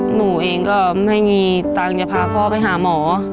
หนูเองก็ไม่มีตังค์จะพาพ่อไปหาหมอ